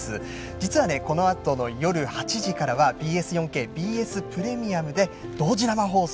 実は、このあとの夜８時からはＢＳ４Ｋ、ＢＳプレミアムで同時生放送。